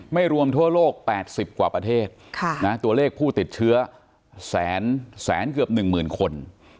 รวมทั่วโลก๘๐กว่าประเทศตัวเลขผู้ติดเชื้อแสนเกือบ๑๐๐๐คน